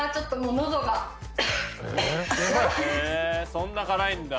そんな辛いんだ。